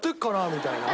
みたいな。